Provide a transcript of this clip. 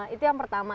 itu yang pertama